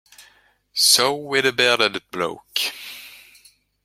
So with the bearded bloke.